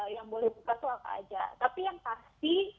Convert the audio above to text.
yang boleh buka itu apa aja tapi yang pasti